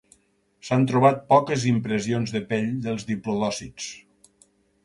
S'han trobat poques impressions de pell dels diplodòcids.